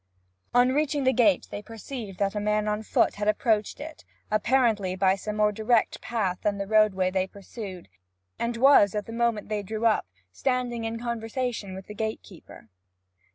On reaching the gate they perceived that a man on foot had approached it, apparently by some more direct path than the roadway they pursued, and was, at the moment they drew up, standing in conversation with the gatekeeper.